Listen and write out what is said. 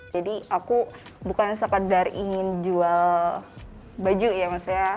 jadi aku bukan sepedar ingin jual baju ya maksudnya